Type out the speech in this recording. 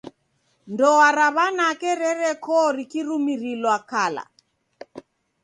Ndoa ra w'anake rereko rikirumirilwa kala.